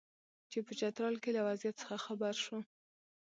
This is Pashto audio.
چې په چترال کې له وضعیت څخه خبر شو.